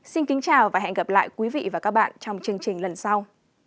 xin kính chào và hẹn gặp lại quý vị và các bạn trong chương trình lần sau